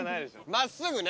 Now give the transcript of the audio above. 真っすぐね。